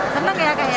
senang ya kak ya